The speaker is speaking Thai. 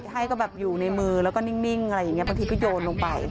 ให้ก็แบบอยู่ในมือแล้วก็นิ่งอะไรอย่างนี้บางทีก็โยนลงไป